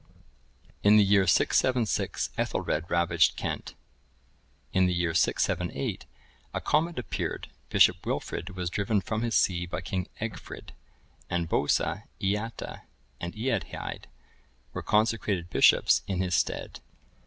In the year 676, Ethelred ravaged Kent. [IV, 12.] In the year 678, a comet appeared; Bishop Wilfrid was driven from his see by King Egfrid; and Bosa, Eata, and Eadhaed were consecrated bishops in his stead.